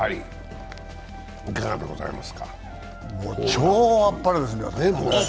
超あっぱれですね。